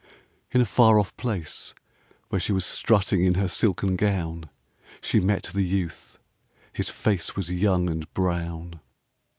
In a far off place Where she was strutting in her silken gown She met the Youth. His face was young and brown.